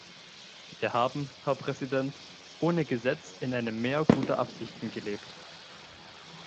Wir haben, Herr Präsident, ohne Gesetz in einem Meer guter Absichten gelebt.